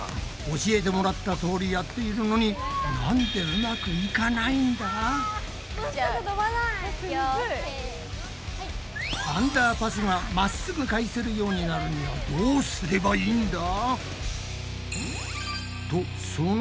教えてもらったとおりやっているのにアンダーパスがまっすぐ返せるようになるにはどうすればいいんだ？